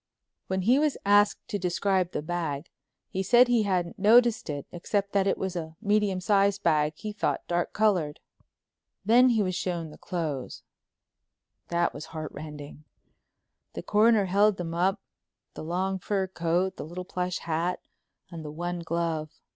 '" When he was asked to describe the bag, he said he hadn't noticed it except that it was a medium sized bag, he thought, dark colored. Then he was shown the clothes—that was heart rending. The Coroner held them up, the long fur coat, the little plush hat, and the one glove.